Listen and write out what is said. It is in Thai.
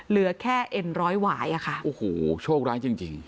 เหลือแค่เอ็นร้อยหวายอะค่ะโอ้โหโชคร้ายจริงจริง